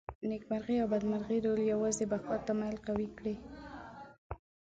نېکمرغي او بدمرغي رول یوازې بقا ته میل قوي کړي.